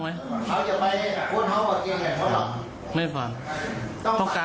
ลักษณ์มากกว่า